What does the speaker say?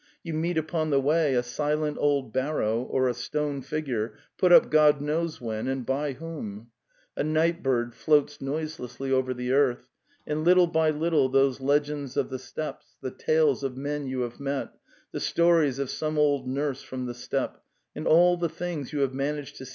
. You meet upon the way a silent old barrow or a stone figure put up God knows when and by whom; a nightbird floats noiselessly over the earth, and little by little those legends of the steppes, the tales of men you have met, the stories of some old nurse from the steppe, and all the things you have man aged to.